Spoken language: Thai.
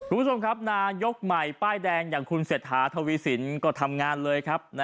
คุณผู้ชมครับนายกใหม่ป้ายแดงอย่างคุณเศรษฐาทวีสินก็ทำงานเลยครับ